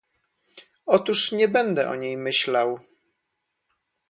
"„Otóż nie będę o niej myślał..."